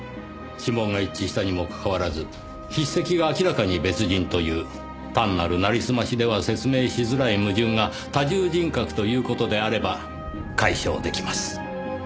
指紋が一致したにもかかわらず筆跡が明らかに別人という単なる成りすましでは説明しづらい矛盾が多重人格という事であれば解消出来ます。